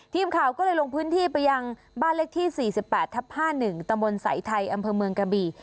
ทีมข่าวก็เลยลงพื้นที่ไปยังบ้านเลขที่๔๘ทับ๕๑ตำบลสายไทยอำเภอเมืองกะบี่